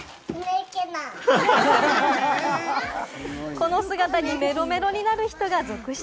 この姿にメロメロになる人が続出！